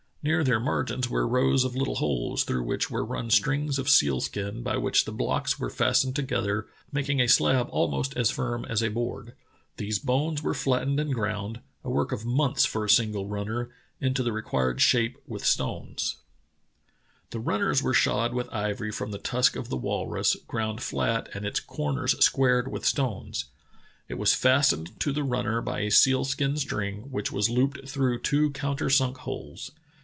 Near their margins w^ere rows of little holes, through which were run strings cf seal skin, by which the blocks were fastened together, mak ing a slab almost as firm as a board. These bones w^ere flattened and ground — a work of months for a single runner — into the required shape with stones. 132 True Tales of Arctic Heroism *'The runners were shod with ivory from the tusk of the walrus, ground flat and its corners squared with stones; it was fastened to the runner by a seal skin string which was looped through two counter sunk holes.